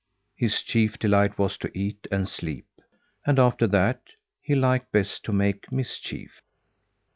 His chief delight was to eat and sleep; and after that he liked best to make mischief.